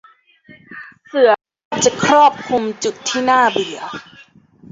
เสื่อรอบจะครอบคลุมจุดที่น่าเบื่อ